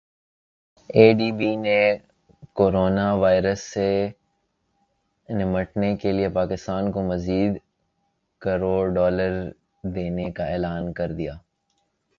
اے D B نے corona virus سے نمٹنے کیلئے پاکستان کو مزید کروڑ ڈالر دینے کا اعلان کردیا